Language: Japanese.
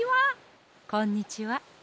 こんにちは。